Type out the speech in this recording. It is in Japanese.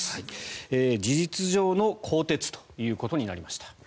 事実上の更迭ということになりました。